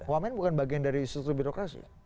wamen bukan bagian dari struktur birokrasi